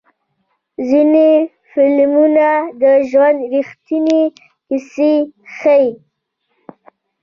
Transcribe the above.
ځینې فلمونه د ژوند ریښتینې کیسې ښیي.